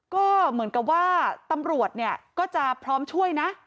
ก็เหมือนกับว่าตำรวจเนี่ยก็จะพร้อมช่วยนะ